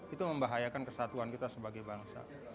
itu membahayakan kesatuan kita sebagai bangsa